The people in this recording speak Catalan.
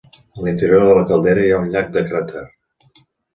A l'interior de la caldera hi ha un llac de cràter.